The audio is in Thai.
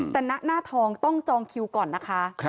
แต่ณหน้าทองต้องจองคิวก่อนนะคะ